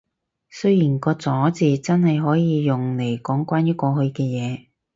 雖然個咗字真係可以用嚟講關於過去嘅嘢